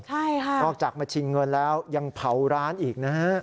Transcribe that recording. ใช่ค่ะนอกจากมาชิงเงินแล้วยังเผาร้านอีกนะฮะ